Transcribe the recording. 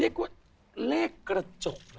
เรียกว่าเลขกระจก